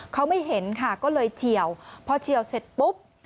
เขาไม่เห็นค่ะก็เลยเฉียวพอเฉียวเสร็จปุ๊บ